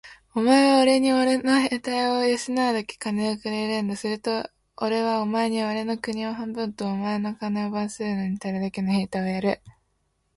お前はおれにおれの兵隊を養うだけ金をくれるんだ。するとおれはお前におれの国を半分と、お前の金を番するのにたるだけの兵隊をやる。